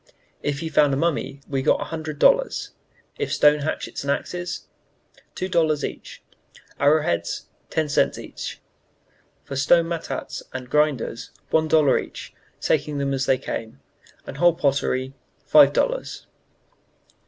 If he found a mummy we got one hundred dollars; if stone hatchets and axes, two dollars each; arrow heads, ten cents each; for stone matats and grinders, one dollar each, taking them as they came; and whole pottery, five dollars."